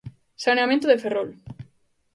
Saneamento de Ferrol.